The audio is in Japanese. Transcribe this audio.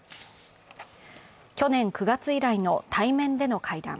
去年９月以来の対面での会談。